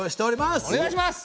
お願いします！